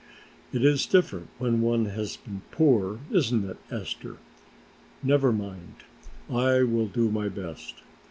It is different when one has been poor, isn't it, Esther? Never mind, I will do my best.